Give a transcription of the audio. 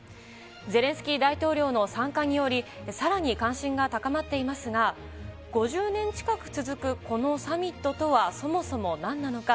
ゼレンスキー大統領の参加により、さらに関心が高まっていますが、５０年近く続くこのサミットとは、そもそもなんなのか。